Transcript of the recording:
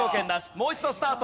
もう一度スタート。